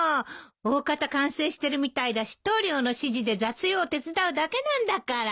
おおかた完成してるみたいだし棟梁の指示で雑用を手伝うだけなんだから。